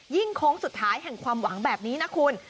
โค้งสุดท้ายแห่งความหวังแบบนี้นะคุณ